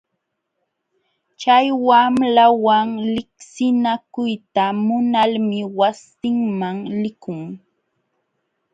Chay wamlawan liqsinakuyta munalmi wasinman likun.